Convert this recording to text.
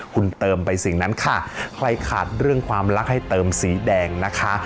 คุณเติมไปสิ่งนั้นค่ะใครขาดเรื่องความรักให้เติมสีแดงนะคะ